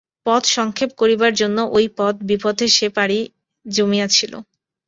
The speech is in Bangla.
পথ সংক্ষেপ করিবার জন্য ওই বিপথে সে পাড়ি জমাইয়াছিল।